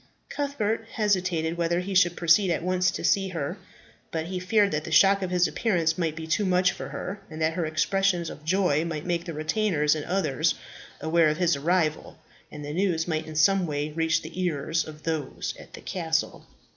Cuthbert hesitated whether he should proceed at once to see her; but he feared that the shock of his appearance might be too much for her, and that her expressions of joy might make the retainers and others aware of his arrival, and the news might in some way reach the ears of those at the castle.